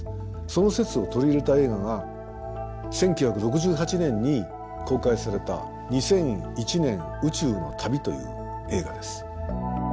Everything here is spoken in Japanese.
その説を取り入れた映画が１９６８年に公開された「２００１年宇宙の旅」という映画です。